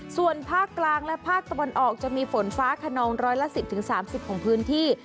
ส่วนภาคกลางและภาคตะวันออกจะมีฝนฟ้าขนองร้อยละ๑๐๓๐ของพื้นที่